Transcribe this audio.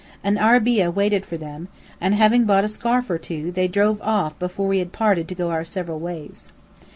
An arabeah waited for them; and having bought a scarf or two, they drove off before we had parted to go our several ways.